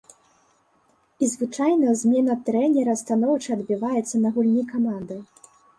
І звычайна змена трэнера станоўча адбіваецца на гульні каманды.